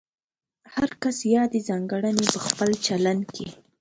هر کس یادې ځانګړنې په خپل چلند کې